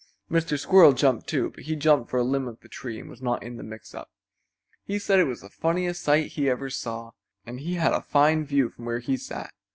Mr. Squirrel jumped, too, but he jumped for a limb of the tree and was not in the mix up. He said it was the funniest sight he ever saw, and he had a fine view from where he sat.